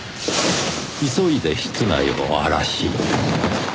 急いで室内を荒らし。